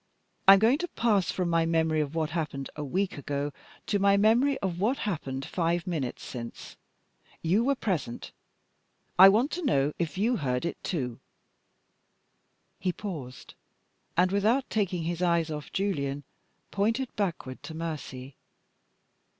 I am going to pass from my memory of what happened a week ago to my memory of what happened five minutes since. You were present; I want to know if you heard it too." He paused, and, without taking his eyes off Julian, pointed backward to Mercy.